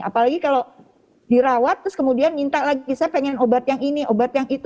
apalagi kalau dirawat terus kemudian minta lagi saya pengen obat yang ini obat yang itu